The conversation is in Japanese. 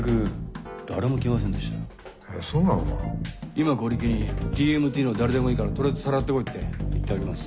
今コリキに「ＴＭＴ」の誰でもいいからとりあえずさらってこいって言ってあります。